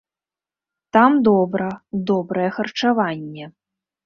Там добра, добрае харчаванне.